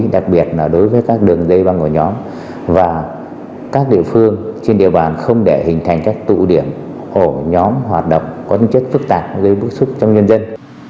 đặc biệt là đối với các đường dây băng ổ nhóm và các địa phương trên địa bàn không để hình thành các tụ điểm ổ nhóm hoạt động có tính chất phức tạp gây bức xúc trong nhân dân